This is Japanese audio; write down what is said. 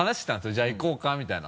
「じゃあ行こうか」みたいな。